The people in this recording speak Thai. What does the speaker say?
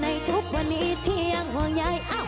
ทุกวันนี้เที่ยงห่วงใย